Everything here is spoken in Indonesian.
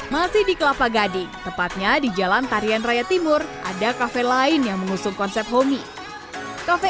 masih di kelapa gading tepatnya di jalan tarian raya timur ada kafe lain yang mengusung konsep home kafe